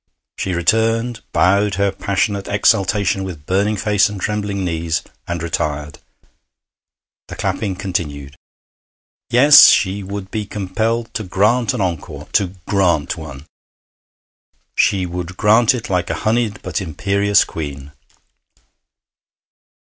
She returned, bowed her passionate exultation with burning face and trembling knees, and retired. The clapping continued. Yes, she would be compelled to grant an encore to grant one. She would grant it like a honeyed but imperious queen.